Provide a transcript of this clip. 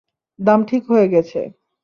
দাম ঠিক হয়ে গেছে।